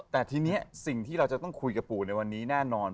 แต่ทีนี้สิ่งที่เราจะต้องคุยกับปู่ในวันนี้แน่นอน